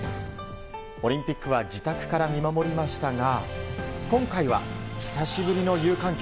オリンピックは自宅から見守りましたが今回は久しぶりの有観客。